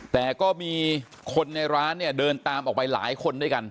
แต่ก็มีคนในร้านเนี่ยเดินตามออกไปหลายคนด้วยกัน